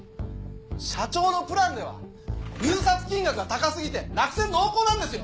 社長のプランでは入札金額が高すぎて落選濃厚なんですよ！